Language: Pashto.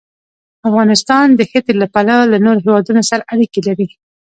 افغانستان د ښتې له پلوه له نورو هېوادونو سره اړیکې لري.